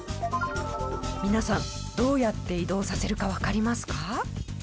皆さんどうやって移動させるかわかりますか？